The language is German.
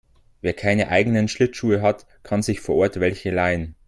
Wer keine eigenen Schlittschuhe hat, kann sich vor Ort welche leihen.